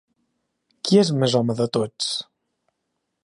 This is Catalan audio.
Qui és més home de tots?